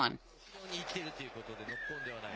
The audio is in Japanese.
後ろに行ってるということで、ノックオンではない。